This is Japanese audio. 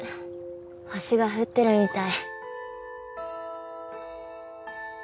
星が降ってるみたい。